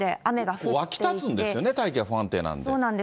湧き立つんですよね、大気が不安定なんで。